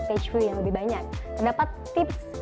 page view yang lebih banyak terdapat tips